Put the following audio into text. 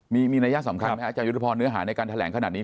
มีนัยยะสำคัญไหมอาจารยุทธพรเนื้อหาในการแถลงขนาดนี้